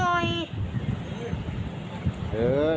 ออกมาหาเรียนพ่อเองบอกให้หน่อย